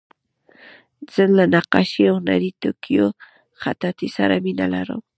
زه له نقاشۍ، هنري توکیو، خطاطۍ سره مینه لرم.